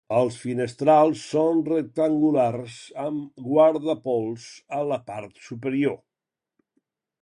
Els finestrals són rectangulars amb guardapols a la part superior.